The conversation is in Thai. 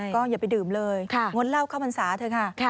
ก็อย่าไปดื่มเลยงดเหล้าเข้าพรรษาเถอะค่ะ